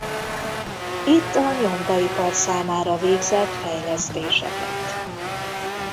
Itt a nyomdaipar számára végzett fejlesztéseket.